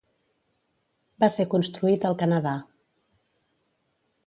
Va ser construït al Canadà.